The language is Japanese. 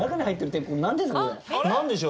何でしょう。